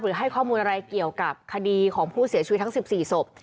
ให้ข้อมูลอะไรเกี่ยวกับคดีของผู้เสียชีวิตทั้ง๑๔ศพ